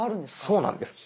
そうなんです。